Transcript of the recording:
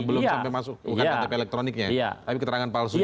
belum sampai masuk bukan ktp elektroniknya ya tapi keterangan palsu